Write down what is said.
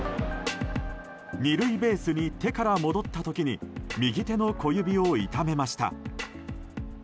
２塁ベースに手から戻った時に右手の小指を痛めました。